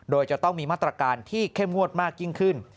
โดยจะต้องมีมาตรการที่เข้มงวดมากยิ่งขึ้น